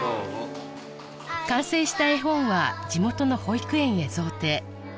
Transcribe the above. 完成した絵本は地元の保育園へ贈呈